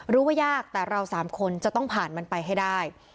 ว่ายากแต่เราสามคนจะต้องผ่านมันไปให้ได้